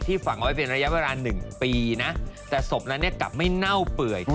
ที่ฝังเอาไปเป็นระยะเวลา๑ปีแต่ศพนั้นกลับไม่เน่าเปื่อย